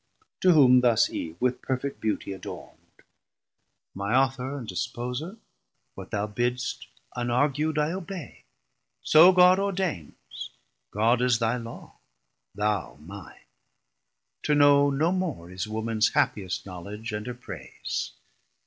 To whom thus Eve with perfet beauty adornd. My Author and Disposer, what thou bidst Unargu'd I obey; so God ordains, God is thy Law, thou mine: to know no more Is womans happiest knowledge and her praise.